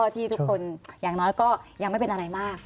ที่ทุกคนอย่างน้อยก็ยังไม่เป็นอะไรมาก